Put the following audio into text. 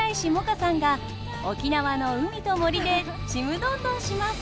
歌さんが沖縄の海と森でちむどんどんします！